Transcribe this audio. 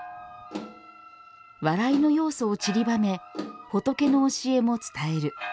笑いの要素を散りばめ仏の教えも伝える。